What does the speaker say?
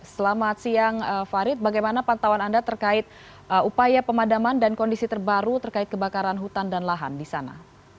selamat siang farid bagaimana pantauan anda terkait upaya pemadaman dan kondisi terbaru terkait kebakaran hutan dan lahan di sana